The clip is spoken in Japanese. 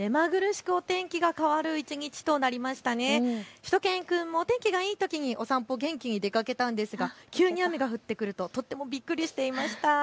しゅと犬くんも天気がいいときにお散歩、元気に出かけたんですが急に雨が降ってくるととてもびっくりしていました。